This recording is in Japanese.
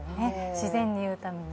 自然に言うために。